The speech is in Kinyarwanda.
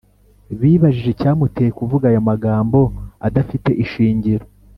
bibajije icyamuteye kuvuga ayo magambo adafite ishingiro,